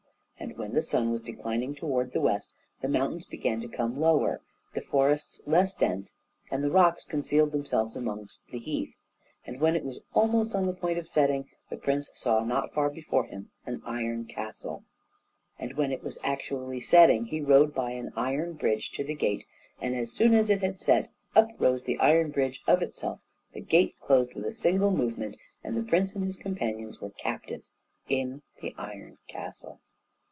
And when the sun was declining toward the west, the mountains began to become lower, the forests less dense, and the rocks concealed themselves amongst the heath; and when it was almost on the point of setting, the prince saw not far before him an iron castle; and when it was actually setting, he rode by an iron bridge to the gate, and as soon as it had set, up rose the iron bridge of itself, the gate closed with a single movement, and the prince and his companions were captives in the iron castle.